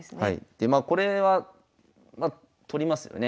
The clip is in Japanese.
でまあこれは取りますよね。